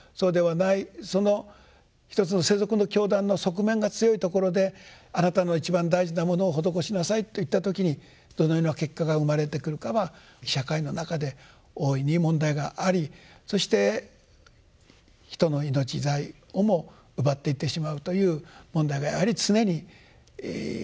その一つの世俗の教団の側面が強いところであなたの一番大事なものを施しなさいといった時にどのような結果が生まれてくるかは社会の中で大いに問題がありそして人の命財をも奪っていってしまうという問題がやはり常に起きてくる。